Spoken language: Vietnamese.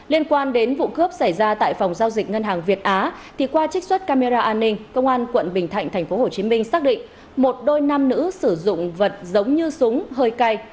liên quan đến vụ cướp xảy ra tại phòng giao dịch ngân hàng việt á thì qua trích xuất camera an ninh công an quận bình thạnh tp hcm xác định một đôi nam nữ sử dụng vật giống như súng hơi cay